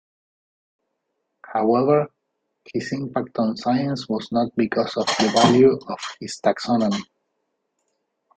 However, his impact on science was not because of the value of his taxonomy.